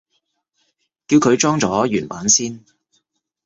叫佢裝咗原版先